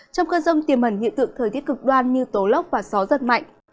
trong cơn rông tiềm ẩn hiện tượng thời tiết cực đoan như tố lốc và gió rất mạnh